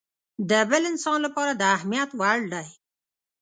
د بل انسان لپاره د اهميت وړ دی.